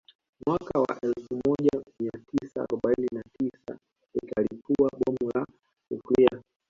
Mwaka wa elfu moja mia tisa arobaini na tisa ikalipua Bomu la nyukilia